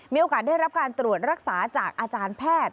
มีโอกาสได้รับการตรวจรักษาจากอาจารย์แพทย์